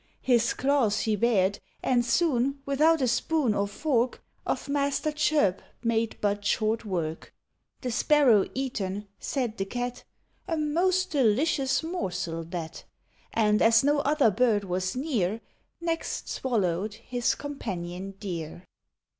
His claws he bared, And soon, without a spoon or fork, Of Master Chirp made but short work. The Sparrow eaten, said the Cat, "A most delicious morsel, that!" And as no other bird was near, Next swallowed his companion dear.